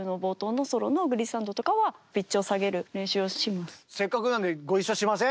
なので例えばせっかくなんでご一緒しません？